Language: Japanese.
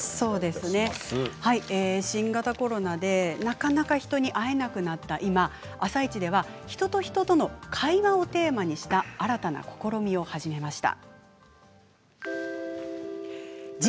新型コロナでなかなか人に会えなくなった今「あさイチ」では人と人との会話をテーマにした新たな試みを始めました。